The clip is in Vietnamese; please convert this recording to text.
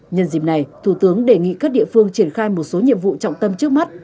nhân dịp này thủ tướng đề nghị các địa phương triển khai một số nhiệm vụ trọng tâm trước mắt